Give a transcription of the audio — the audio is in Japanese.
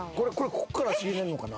ここから足入れるのかな？